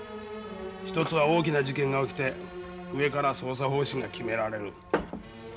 一つは大きな事件が起きて上から捜査方針が決められる。